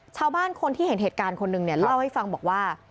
ชาวบ้านคนที่เห็นเหตุการณ์คนหนึ่งเนี่ยเล่าให้ฟังบอกว่า